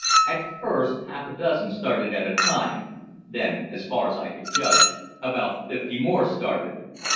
At first half a dozen started at a time; then, as far as I could judge, about fifty more started.